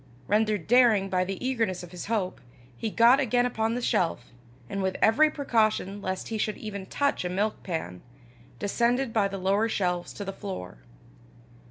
Rendered daring by the eagerness of his hope, he got again upon the shelf, and with every precaution lest he should even touch a milkpan, descended by the lower shelves to the floor.